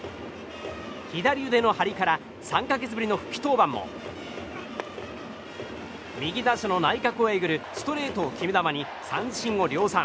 左腕の張りから３か月ぶりの復帰登板も右打者の内角をえぐるストレートを決め球に三振を量産。